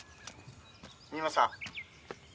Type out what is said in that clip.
「三馬さん？」